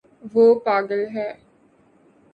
وہ پاگل ہے